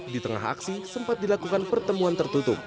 di tengah aksi sempat dilakukan pertemuan tertutup